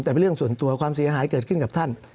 แต่เป็นเรื่องส่วนตัวความเสียหายเกิดขึ้นกับท่าน